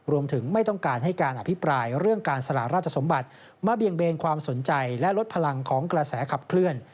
ไม่ต้องการให้การอภิปรายเรื่องการสละราชสมบัติมาเบี่ยงเบนความสนใจและลดพลังของกระแสขับเคลื่อน